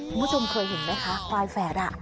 คุณผู้ชมเคยเห็นไหมคะควายแฝดอ่ะ